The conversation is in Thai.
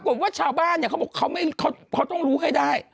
ปรากฏว่าชาวบ้านเขาบอกว่าเขาต้องรู้ให้ได้